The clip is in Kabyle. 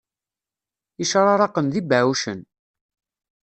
Icraraqen d ibeɛɛucen.